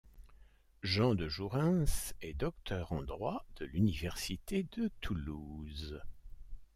Jean de Jourens est docteur en droit de l'université de Toulouse.